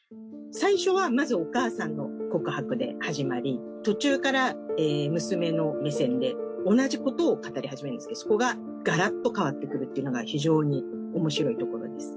最初はまずお母さんの告白で始まり途中から娘の目線で同じことを語り始めるんですけどそこがガラッと変わってくるというのが非常に面白いところです。